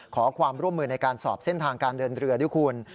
ขอความร่วมมือในการสอบเส้นทางการเดินเรือด้วยคุณ